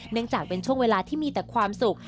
เนื่องจากเป็นช่วงเวลาที่มีแต่ความสุข